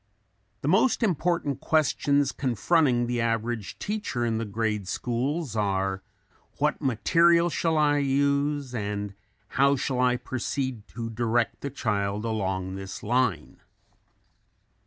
The most important questions confronting the average teacher in the grade schools are: "What material shall I use and how shall I proceed to direct the child along this line?"